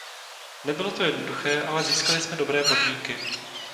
Nebylo to jednoduché, ale získali jsme dobré podmínky.